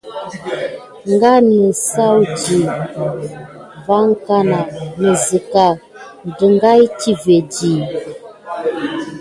Ngan nisawudi vakana nizeŋga ɗegaï tivé ɗi.